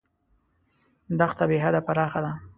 دښته بېحده پراخه ده.